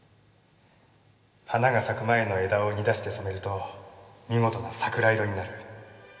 花が咲く前の枝を煮出して染めると見事な桜色になる。